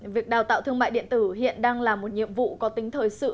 việc đào tạo thương mại điện tử hiện đang là một nhiệm vụ có tính thời sự